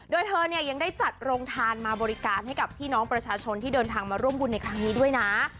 โดยเธอเนี่ยยังได้จัดโรงทานมาบริการให้กับพี่น้องประชาชนที่เดินทางมาร่วมบุญในครั้งนี้ด้วยนะ